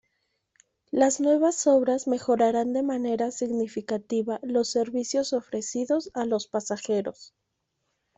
Las nuevas obras mejorarán de manera significativa los servicios ofrecidos a los pasajeros.